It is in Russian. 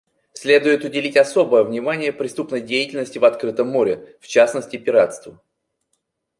Следует уделить особое внимание преступной деятельности в открытом море, в частности пиратству.